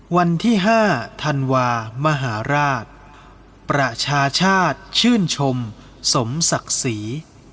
วันที่๕ธันวามหาราชประชาชาติชื่นชมสมศักดิ์ศรี